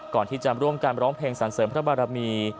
ก่อนที่จะร่วมกันร้องเพลงสรรเสริมพระบารมี